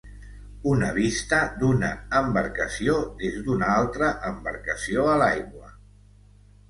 Una vista d"una embarcació des d"una altra embarcació a l"aigua.